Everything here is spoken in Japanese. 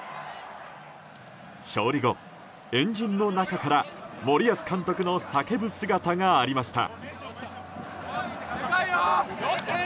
勝利後、円陣の中から森保監督の叫ぶ姿がありました。